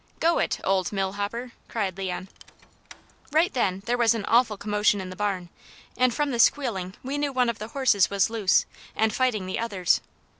"Go it, old mill hopper!" cried Leon. Right then there was an awful commotion in the barn, and from the squealing we knew one of the horses was loose, and fighting the others.